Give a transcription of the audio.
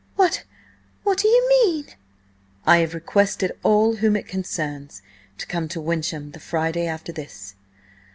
"What–what do you mean?" "I have requested all whom it concerns to come to Wyncham the Friday after this."